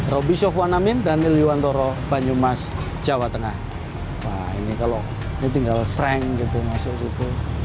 roby sofwanamin daniel yuwantoro banyumas jawa tengah